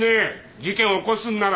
事件を起こすんなら。